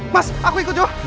mas aku ikut dong